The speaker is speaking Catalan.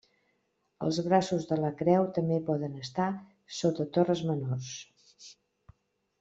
Els braços de la creu també poden estar sota torres menors.